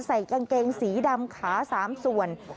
ใส่กางเกงสีดำขา๓ส่วน